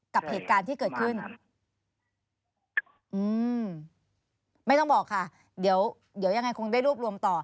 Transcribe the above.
กับเหตุการณ์ที่เกิดขึ้นอืมไม่ต้องบอกค่ะเดี๋ยวเดี๋ยวยังไงคงได้รวบรวมต่อ